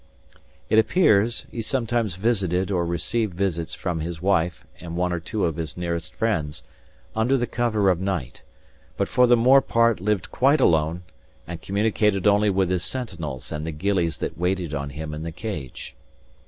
It appears, he sometimes visited or received visits from his wife and one or two of his nearest friends, under the cover of night; but for the more part lived quite alone, and communicated only with his sentinels and the gillies that waited on him in the Cage.